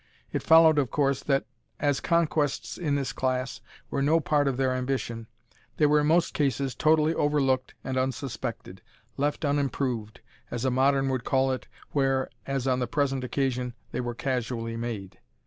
It followed, of course, that as conquests in this class were no part of their ambition, they were in most cases totally overlooked and unsuspected, left unimproved, as a modern would call it, where, as on the present occasion, they were casually made.